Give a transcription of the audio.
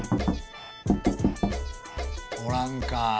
おらんか。